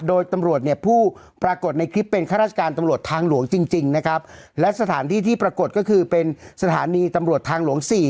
โดยตำรวจเนี่ยผู้ปรากฏในคลิปเป็นข้าราชการตำรวจทางหลวงจริงจริงนะครับและสถานที่ที่ปรากฏก็คือเป็นสถานีตำรวจทางหลวงสี่